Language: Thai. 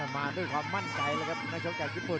มาด้วยความมั่นใจแล้วครับนักชกจากญี่ปุ่น